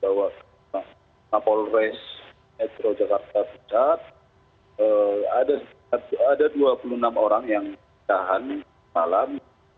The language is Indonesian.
bahwa polres metro jakarta pusat ada dua puluh enam orang yang ditahan malam